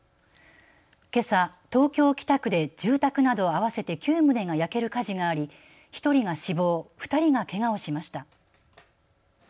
けさ東京北区で住宅など合わせて９棟が焼ける火事があり１人が死亡、２人がけがをしました。